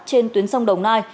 trên tuyến sông đồng nai